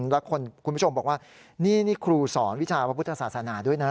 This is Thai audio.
แล้วคุณผู้ชมบอกว่านี่นี่ครูสอนวิชาพระพุทธศาสนาด้วยนะ